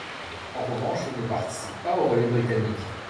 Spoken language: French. En revanche il ne participe pas au relais britannique.